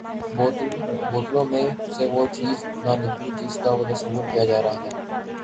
بوتلوں میں سے وہ چیز نہ نکلی جس کا تصور کیا جا رہا تھا۔